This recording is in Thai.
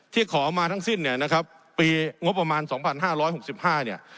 ที่ขอมาทั้งสิ้นเนี้ยนะครับปีงบประมาณสองพันห้าร้อยหกสิบห้าเนี้ย